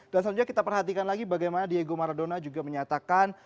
dan selanjutnya kita perhatikan lagi bagaimana diego maradona juga menyatakan